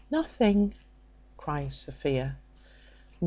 "Nothing," cries Sophia.